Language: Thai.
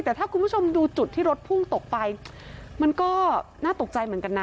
แต่ถ้าคุณผู้ชมดูจุดที่รถพุ่งตกไปมันก็น่าตกใจเหมือนกันนะ